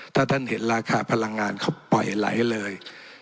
ถ้าท่านเห็นราคาพลังงานเขาปล่อยไหลเลย